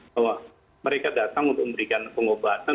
bahwa mereka datang untuk memberikan pengobatan